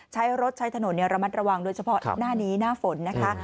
ใช้รถใช้ถนนระมัดระวังโดยเฉพาะหน้านี้หน้าฝนนะคะ